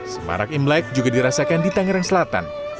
semarak imlek juga dirasakan di tangerang selatan